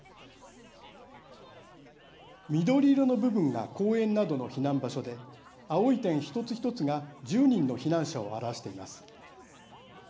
緑色の部分が公園などの避難場所で青い点一つ一つが１０人の避難者を表しています。